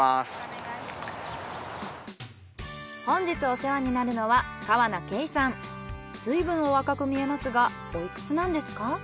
本日お世話になるのはずいぶんお若く見えますがおいくつなんですか？